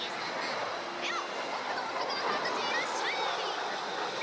ではボクのお魚さんたちいらっしゃい！